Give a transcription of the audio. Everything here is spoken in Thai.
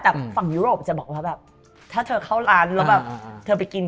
แต่ฝั่งยุโรปจะบอกว่าแบบถ้าเธอเข้าร้านแล้วแบบเธอไปกิน